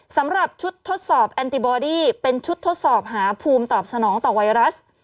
สำหรับชุดทดสอบแอนติบอดี้เป็นชุดทดสอบหาภูมิตอบสนองต่อไวรัส